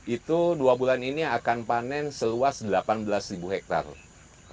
itu dua bulan ini akan panen seluas delapan belas ribu hektare